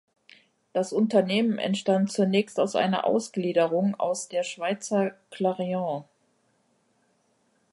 Das Unternehmen entstand zunächst aus einer Ausgliederung aus der Schweizer Clariant.